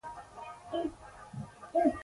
کلی و، کورونه و، کتار و